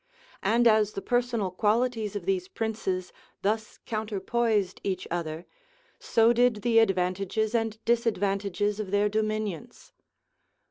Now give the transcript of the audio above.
And as the personal qualities of these princes thus counterpoised each other, so did the advantages and disadvantages of their dominions.